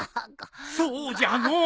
そうじゃのう。